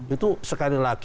itu sekali lagi